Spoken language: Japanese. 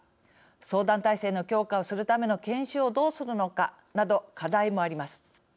相談体制の強化をするための研修をどうするのかなど課題もあります。